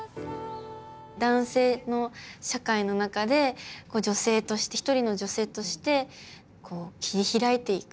男性の社会の中で女性として一人の女性として切り開いていく。